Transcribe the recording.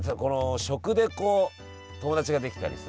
食で友達ができたりさ。